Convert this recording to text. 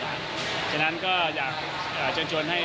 เพราะว่าพรุ่งนี้ก็เป็นอีกหนึ่งเกมที่สำคัญเราต้องการ๓แจ้งกลับลงไทย